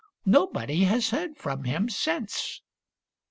Nobody has heard from him since."